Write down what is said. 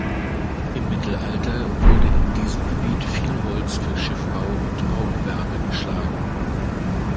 Im Mittelalter wurde in diesem Gebiet viel Holz für Schiffbau und Baugewerbe geschlagen.